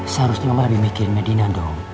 seharusnya mamah lebih mikir medina dong